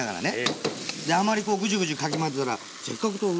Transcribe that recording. あんまりこうグジュグジュかき混ぜたらせっかく豆腐ね。